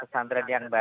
pesantren yang baru